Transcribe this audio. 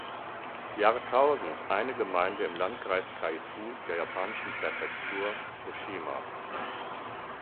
Jahrtausend eine Gemeinde im Landkreis Kaifu der japanischen Präfektur Tokushima.